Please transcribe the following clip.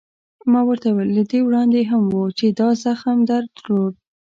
ما ورته وویل: له دې وړاندې هم و، چې دا زخم در درلود؟